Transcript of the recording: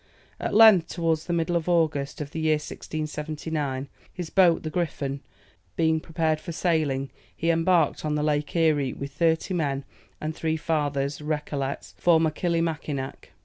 At length, towards the middle of August, of the year 1679, his boat, the Griffon, being prepared for sailing, he embarked on the Lake Erie, with thirty men, and three Fathers, Recollets, for Machillimackinac.